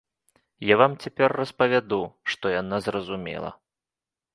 Я вам цяпер распавяду, што яна зразумела.